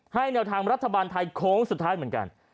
แนวทางรัฐบาลไทยโค้งสุดท้ายเหมือนกัน